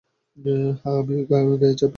হ্যাঁ, আমি গায়ে চাপিয়ে দেখছি।